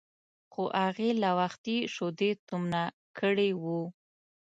خو هغې لا وختي شیدې تومنه کړي وو.